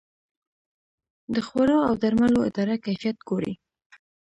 د خوړو او درملو اداره کیفیت ګوري